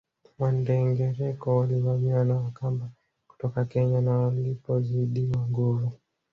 Wandengereko walivamiwa na Wakamba kutoka Kenya na walipozidiwa nguvu